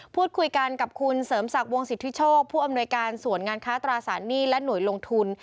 พูดคุยกันกับคุณเสริมศักดิ์วงสิทธิโชคผู้อำนวยการส่วนงานค้าตราสารหนี้และหน่วยลงทุน